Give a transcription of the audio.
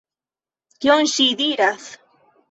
Kion ŝi diras?